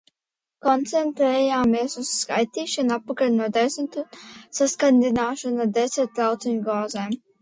Koncentrējāmies uz skaitīšanu atpakaļ no desmit un saskandināšanu ar deserta trauciņu glāzēm.